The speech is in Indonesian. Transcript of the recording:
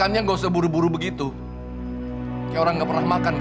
aduh nggak bisa perianya vegthere yang kelihatan ini